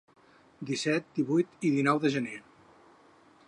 Disset, divuit i dinou de gener.